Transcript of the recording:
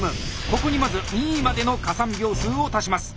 ここにまず２位までの加算秒数を足します。